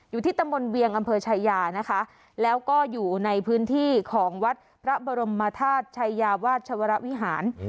อยู่ที่ตำบลเวียงอำเภอชายานะคะแล้วก็อยู่ในพื้นที่ของวัดพระบรมธาตุชัยยาวาชวรวิหาร